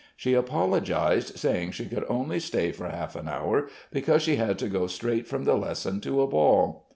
She apologised, saying she could only stay for half an hour, because she had to go straight from the lesson to a ball.